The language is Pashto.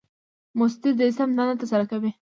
مصدر د اسم دنده ترسره کوي.